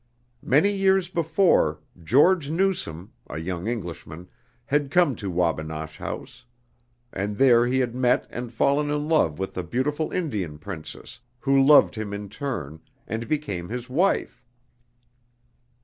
Many years before, George Newsome, a young Englishman, had come to Wabinosh House, and there he had met and fallen in love with a beautiful Indian princess, who loved him in turn, and became his wife.